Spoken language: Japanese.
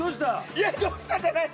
いや「どうした？」じゃない